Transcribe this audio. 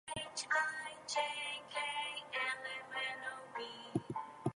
He played nine games that season and scored one goal and one assist.